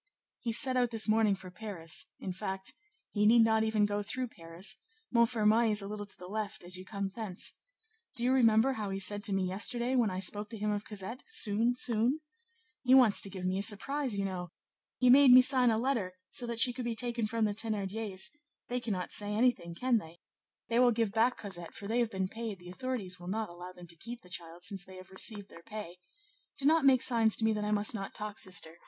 "He set out this morning for Paris; in fact, he need not even go through Paris; Montfermeil is a little to the left as you come thence. Do you remember how he said to me yesterday, when I spoke to him of Cosette, Soon, soon? He wants to give me a surprise, you know! he made me sign a letter so that she could be taken from the Thénardiers; they cannot say anything, can they? they will give back Cosette, for they have been paid; the authorities will not allow them to keep the child since they have received their pay. Do not make signs to me that I must not talk, sister!